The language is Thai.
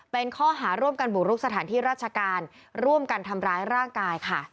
เป็นข้อหาร่วมกันบุกรุกสถานที่ราชการร่วมกันทำร้ายร่างกายค่ะ